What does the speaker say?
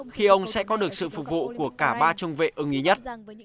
khi ông sẽ có được sự phục vụ của cả ba trung vệ ở ý nhất